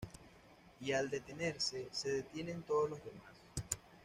Y al detenerse, se detienen todos los demás.